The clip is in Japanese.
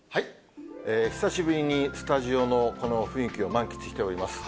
久しぶりにスタジオのこの雰囲気を満喫しております。